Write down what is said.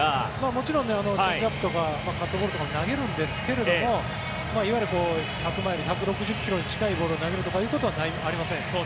もちろんチェンジアップとかカットボールとか投げるんですがいわゆる１００マイル１６０ｋｍに近いボールを投げるということはありません。